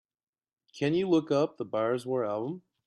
Can you look up the Bireswar album?